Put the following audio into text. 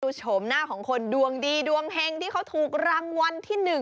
โฉมหน้าของคนดวงดีดวงเฮงที่เขาถูกรางวัลที่๑